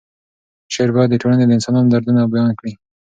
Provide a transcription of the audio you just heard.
شعر باید د ټولنې د انسانانو دردونه بیان کړي.